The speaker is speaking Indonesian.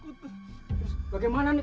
terus bagaimana nih